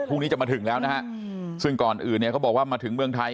พรุ่งนี้จะมาถึงแล้วนะฮะซึ่งก่อนอื่นเนี่ยเขาบอกว่ามาถึงเมืองไทย